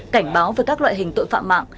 cảnh báo về các loại hình tội phạm mạng